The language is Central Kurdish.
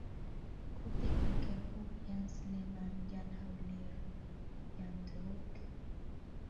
کوردێک لە کەرکووک یان سلێمانی یان هەولێر یان دهۆک